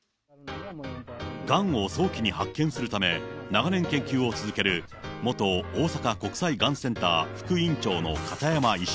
がんを早期に発見するため、長年研究を続ける、元大阪国際がんセンター副院長の片山医師。